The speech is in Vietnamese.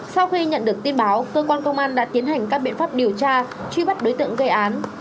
sau khi nhận được tin báo cơ quan công an đã tiến hành các biện pháp điều tra truy bắt đối tượng gây án